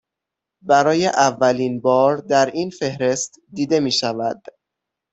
برای اولین بار در این فهرست دیده می شود